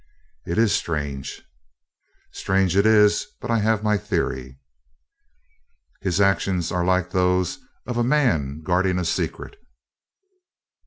"It is strange." "Strange it is, but I have my theory." "His actions are like those of a man guarding a secret."